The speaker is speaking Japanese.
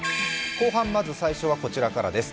後半、まず最初はこちらからです。